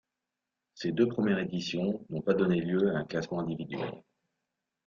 Ses deux premières éditions n'ont pas donné lieu à un classement individuel.